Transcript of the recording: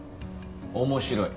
面白い。